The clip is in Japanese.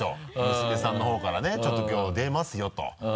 娘さんのほうからね「ちょっときょう出ますよ」と。